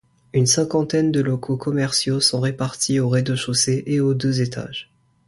Une cinquantaine de locaux commerciaux sont répartis au rez-de-chaussée et aux deux étages.